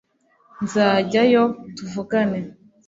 nzajyayo tuvugane